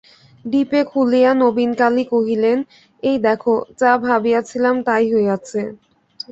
ডিপে খুলিয়া নবীনকালী কহিলেন, এই দেখো, যা ভাবিয়াছিলাম, তাই হইয়াছে।